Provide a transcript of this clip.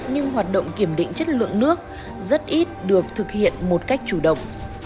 nhưng hoạt động kiểm định chất lượng nước rất ít được thực hiện một cách chủ động